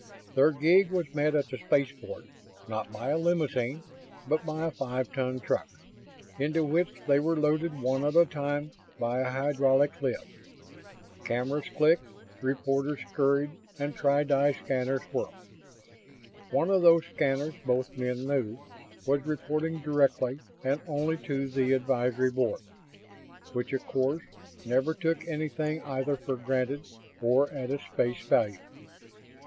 Their gig was met at the spaceport; not by a limousine, but by a five ton truck, into which they were loaded one at a time by a hydraulic lift. Cameras clicked, reporters scurried, and tri di scanners whirred. One of those scanners, both men knew, was reporting directly and only to the Advisory Board which, of course, never took anything either for granted or at its face value.